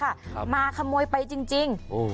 ครับมาขโมยไปจริงจริงโอ้